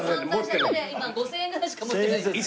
今５０００円ぐらいしか持ってない。